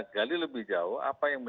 jauh lebih baik